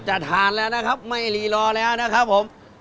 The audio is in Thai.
จะทานแล้วนะครับไม่รีรอแล้วนะครับผม